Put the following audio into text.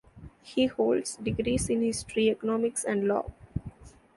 He holds degrees in history, economics, and law.